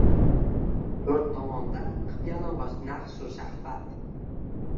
Toʼrt tomonda qip-yalangʼoch nahsu shahvat.